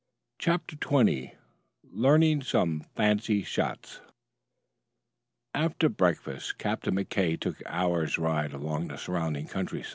CHAPTER XX LEARNING SOME FANCY SHOTS After breakfast Captain McKay took an hour's ride alone over the surrounding country.